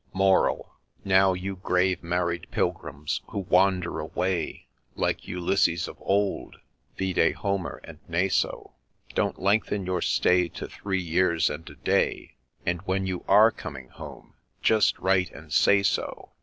MORAL. Now, you grave married Pilgrims, who wander away, Like Ulysses of old *, (vide Homer and Naso,) Don't lengthen your stay to three years and a day, And when you are coming home, just write and say so